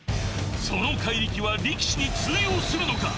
その怪力は力士に通用するのか？